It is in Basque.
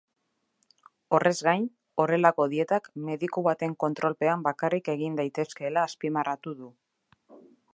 Horrez gain, horrelako dietak mediku baten kontrolpean bakarrik egin daitezkeela azpimarratu du.